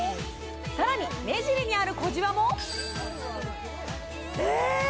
さらに目尻にある小じわもえっ！？